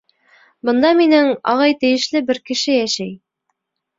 Бында минең ағай тейешле бер кеше йәшәй.